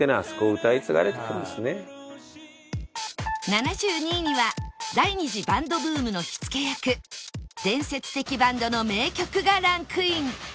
７２位には第二次バンドブームの火付け役伝説的バンドの名曲がランクイン